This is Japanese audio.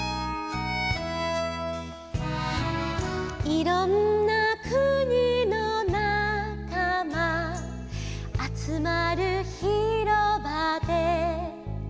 「いろんな国のなかま」「あつまる広場で」